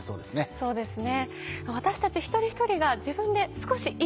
そうですね。